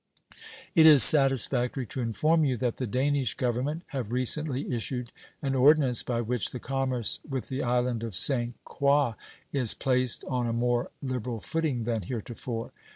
It is satisfactory to inform you that the Danish Government have recently issued an ordinance by which the commerce with the island of St. Croix is placed on a more liberal footing than heretofore.